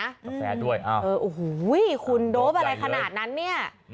กาแฟด้วยอ้าวเออโอ้โหคุณโดปอะไรขนาดนั้นเนี่ย